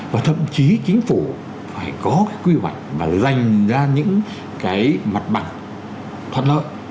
và thậm chí chính phủ phải có cái quy hoạch và dành ra những cái mặt bằng thuận lợi